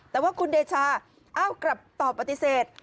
แต่ว่าคุณเดชาเอ้ากลับตอบปฏิเสธ